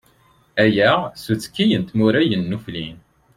Aya, s uttiki n tmura yennuflin.